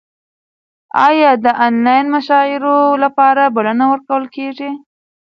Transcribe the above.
ایا د انلاین مشاعرو لپاره بلنه ورکول کیږي؟